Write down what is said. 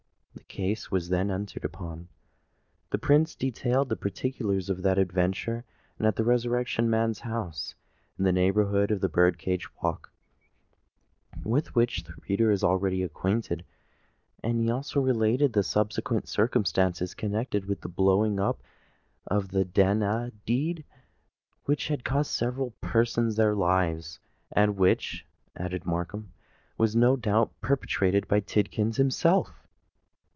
The case was then entered upon. The Prince detailed the particulars of that adventure at the Resurrection Man's house in the neighbourhood of the Bird cage Walk, with which the reader is already acquainted: and he also related the subsequent circumstances connected with the blowing up of the den—a deed which had cost several persons their lives, and which (added Markham) was no doubt perpetrated by Tidkins himself.